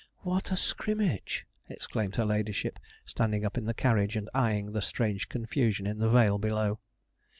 'What a scrimmage!' exclaimed her ladyship, standing up in the carriage, and eyeing the Strange confusion in the vale below.